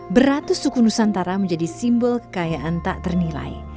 beratus suku nusantara menjadi simbol kekayaan tak ternilai